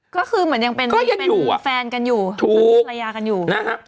ก็คือเหมือนยังเป็นแฟนกันอยู่ถูกเป็นภรรยากันอยู่นะฮะ